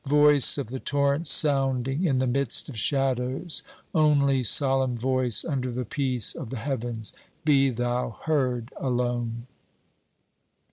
Voice of the torrent sounding in the midst of shadows, only solemn voice under the peace of the heavens, be thou heard alone